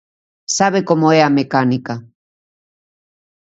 Sabe como é a mecánica.